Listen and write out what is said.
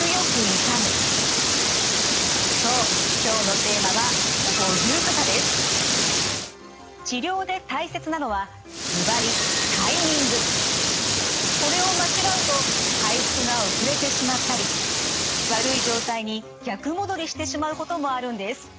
急にそう今日のテーマはこれを間違うと回復が遅れてしまったり悪い状態に逆戻りしてしまうこともあるんです。